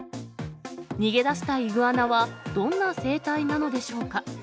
逃げ出したイグアナはどんな生態なのでしょうか。